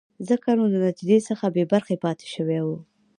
ځکه نو د نتیجې څخه بې خبره پاتې شوی وو.